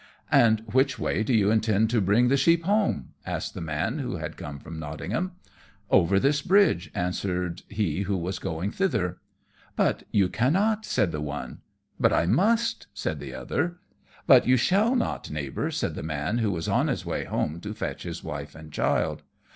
"And which way do you intend to bring the sheep home?" asked the man who had come from Nottingham. "Over this bridge," answered he who was going thither. "But you cannot," said the one. "But I must," said the other. "But you shall not, Neighbour," said the man who was on his way home to fetch his wife and child.